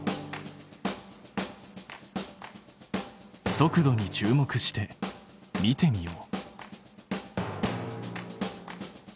速度に注目して見てみよう。